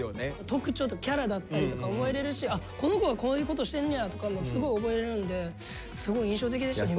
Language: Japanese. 特徴とキャラだったりとか覚えれるしこの子がこういうことしてんねやとかもすごい覚えれるんですごい印象的でしたね